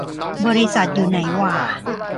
บริษัทอยู่ไหนหว่า